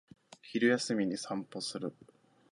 昼休みに散歩する